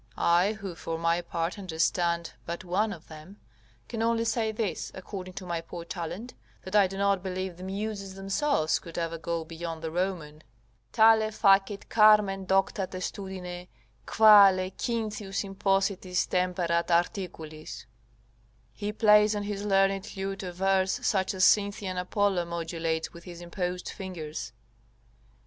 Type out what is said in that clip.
I who, for my part, understand but one of them, can only say this, according to my poor talent, that I do not believe the Muses themselves could ever go beyond the Roman: "Tale facit carmen docta testudine, quale Cynthius impositis temperat articulis:" ["He plays on his learned lute a verse such as Cynthian Apollo modulates with his imposed fingers."